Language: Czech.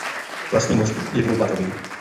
Vlastní most je dvoupatrový.